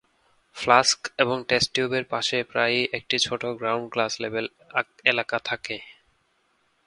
Flask এবং test টিউবের পাশে প্রায়ই একটি ছোট গ্রাউন্ড গ্লাস লেবেল এলাকা থাকে।